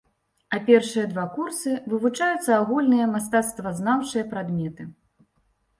А першыя два курсы вывучаюцца агульныя мастацтвазнаўчыя прадметы.